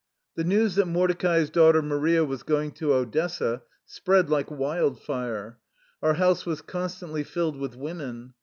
The news that Mordecai's daughter Maria was going to Odessa spread like wild fire; our house was constantly filled with women.